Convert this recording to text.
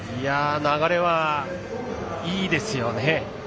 流れはいいですよね。